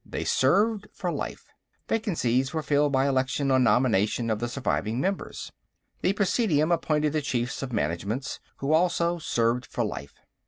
They served for life. Vacancies were filled by election on nomination of the surviving members. The Presidium appointed the Chiefs of Managements, who also served for life.